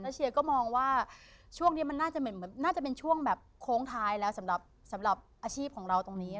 และเชียร์ก็มองว่าช่วงนี้มันน่าจะเป็นช่วงโค้งท้ายแล้วสำหรับอาชีพของเราตรงนี้